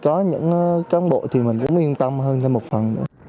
có những cán bộ thì mình cũng yên tâm hơn thêm một phần